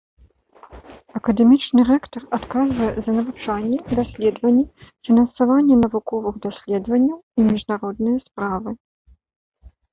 Акадэмічны рэктар адказвае за навучанне, даследаванні, фінансаванне навуковых даследаванняў і міжнародныя справы.